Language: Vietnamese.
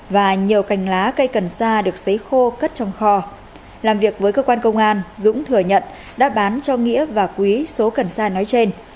và nhiều cành lá cây cần sa được xấy khô cất trong kho làm việc với cơ quan công an dũng thừa nhận đã bán cho nghĩa và quý số cần sa nói trên